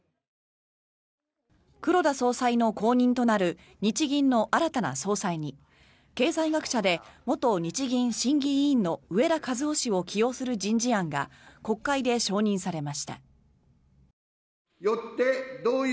黒田総裁の後任となる日銀の新たな総裁に経済学者で元日銀審議委員の植田和男氏を起用する人事案が国会で承認されました。